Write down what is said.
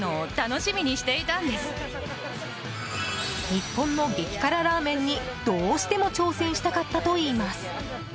日本の激辛ラーメンにどうしても挑戦したかったといいます。